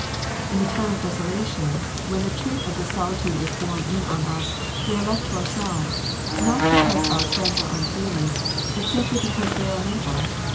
In the time of desolation, when the truth of this solitude is borne in on us, we are left to ourselves, not because our friends are unfeeling, but simply because they are unable.